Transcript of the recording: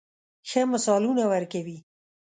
ښه مثالونه ورکوي.